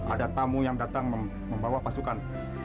ada tamu yang datang membawa pasukan